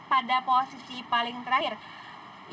jadi harus mulai dari posisi terakhir